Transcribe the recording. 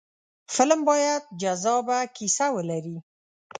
فلم باید جذابه کیسه ولري